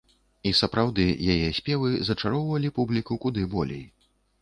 І сапраўды, яе спевы зачароўвалі публіку куды болей.